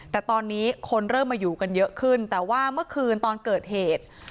แต่ตอนนี้คนเริ่มมาอยู่กันเยอะขึ้นแต่ว่าเมื่อคืนตอนเกิดเหตุ